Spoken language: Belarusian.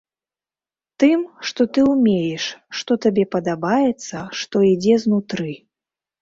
Тым, што ты ўмееш, што табе падабаецца, што ідзе знутры.